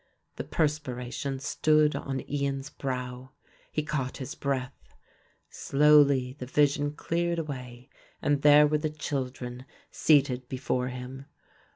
The perspiration stood on Ian's brow: he caught his breath. Slowly the vision cleared away and there were the children seated before him.